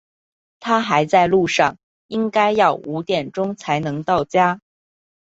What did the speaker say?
他还在路上，应该要五点钟才能到家。